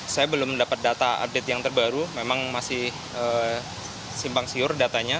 saya belum dapat data update yang terbaru memang masih simpang siur datanya